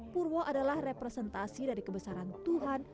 purwo adalah representasi dari kebesaran tuhan